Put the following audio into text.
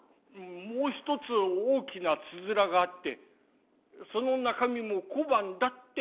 「もう一つ大きなつづらがあってその中身も小判だ」って話しました。